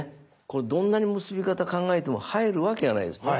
これどんなに結び方考えても入るわけがないですよね？